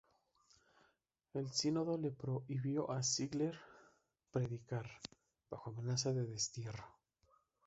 El sínodo le prohibió a Ziegler predicar, bajo amenaza de destierro.